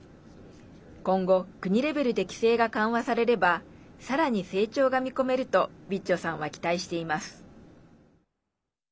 今後、国レベルで規制が緩和されればさらに成長が見込めるとビッジョさんは期待しています。